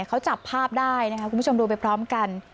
เขาจับภาพได้นะคะคุณผู้ชมดูไปพร้อมกัน